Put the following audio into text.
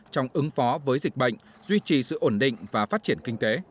trong ứng phó với dịch bệnh duy trì sự ổn định và phát triển kinh tế